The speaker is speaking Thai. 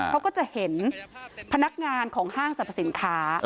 เขาก็จะเห็นพนักงานของห้างสรรพสินค้า